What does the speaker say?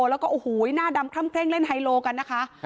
แล้วก็โอ้โหไอ้หน้าดำติ้งเล่นไฮโลกันนะคะ